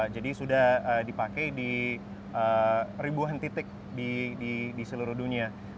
jadi sudah dipakai di ribuan titik di seluruh dunia